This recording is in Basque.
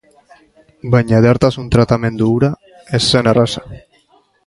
Baina edertasun tratamendu hura ez zen erraza.